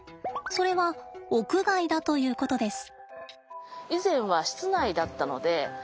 それは屋外だということです。